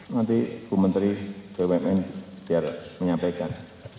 nanti bu menteri bumn biar menyampaikan